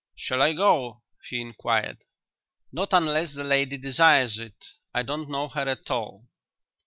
"Shall I go?" he inquired. "Not unless the lady desires it. I don't know her at all."